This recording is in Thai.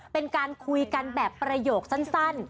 เป็นการคุยกันแบบประโยคสั้น